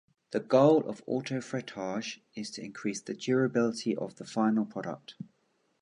The goal of autofrettage is to increase the durability of the final product.